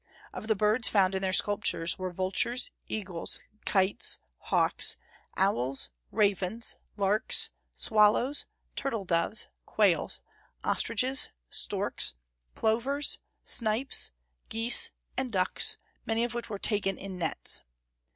Of the birds found in their sculptures were vultures, eagles, kites, hawks, owls, ravens, larks, swallows, turtle doves, quails, ostriches, storks, plovers, snipes, geese, and ducks, many of which were taken in nets.